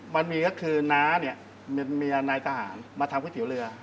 มันมีก็คือน้าเนี่ยเมียนายทหารมาทำก๋วยเตี๋ยวเรือ